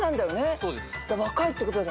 そうです。